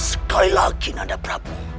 sekali lagi nanda prabu